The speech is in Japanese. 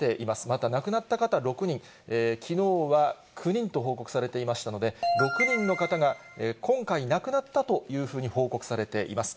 また亡くなった方６人、きのうは９人と報告されていましたので、６人の方が、今回、亡くなったというふうに報告されています。